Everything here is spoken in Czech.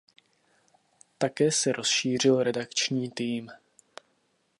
Také se rozšířil redakční tým.